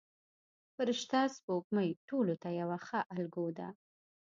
فرشته سپوږمۍ ټولو ته یوه ښه الګو ده.